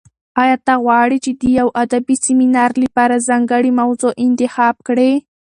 ایا ته غواړې د یو ادبي سیمینار لپاره ځانګړې موضوع انتخاب کړې؟